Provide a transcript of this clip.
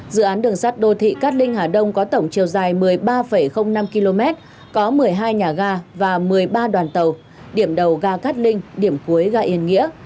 dự án đường sắt đô thị cát linh hà đông có tổng chiều dài một mươi ba năm km có một mươi hai nhà ga và một mươi ba đoàn tàu điểm đầu ga cát linh điểm cuối ga yên nghĩa